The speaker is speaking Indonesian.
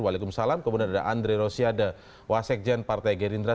waalaikumsalam kemudian ada andre rosiade wasekjen partai gerindra